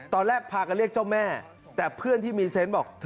ตอนแรกพากันเรียกเจ้าแม่แต่เพื่อนที่มีเซนต์บอก